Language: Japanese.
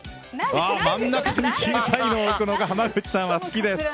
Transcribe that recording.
真ん中に小さいのを置くのが濱口さんは好きです。